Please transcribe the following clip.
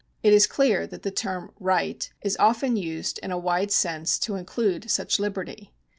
It is clear that the term right is often used in a wide sense to include such liberty.